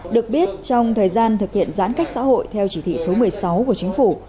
được biết trong thời gian thực hiện giãn cách xã hội theo chỉ thị số một mươi sáu của chính phủ